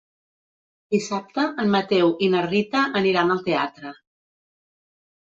Dissabte en Mateu i na Rita aniran al teatre.